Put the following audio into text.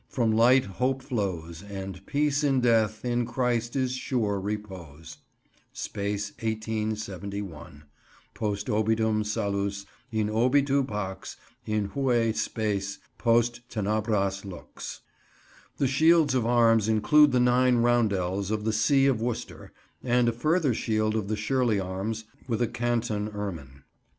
From light hope flows. And peace in death, In Christ is sure repose. Spes 1871. Post obitum Salus. In obitu Pax In hue Spes Post tenebras lux." The shields of arms include the nine roundels of the see of Worcester, and a further shield of the Shirley arms, with a canton ermine.